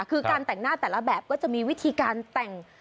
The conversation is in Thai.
คือการแต่งหน้าแต่ละแบบก็จะมีวิธีการแต่ง